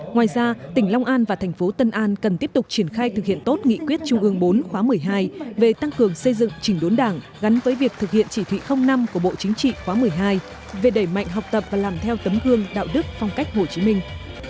ngoài ra tỉnh long an và thành phố tân an cần tiếp tục triển khai thực hiện tốt nghị quyết trung ương bốn khóa một mươi hai về tăng cường xây dựng chỉnh đốn đảng gắn với việc thực hiện chỉ thị năm của bộ chính trị khóa một mươi hai về đẩy mạnh học tập và làm theo tấm gương đạo đức phong cách hồ chí minh